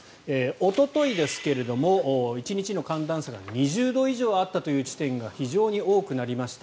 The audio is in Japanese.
おとといですが、１日の寒暖差が２０度以上あったという地点が非常に多くなりました。